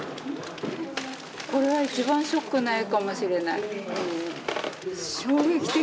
これは一番ショックな絵かもしれない。